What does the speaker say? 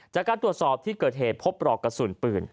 จากการตรวจสอบที่เกิดเหตุพบปลอกกระสุนปืน